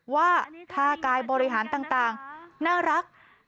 ว่าท่ากายบริหารต่างน่ารัก